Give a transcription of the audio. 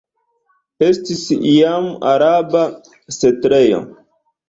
Estis iam araba setlejo.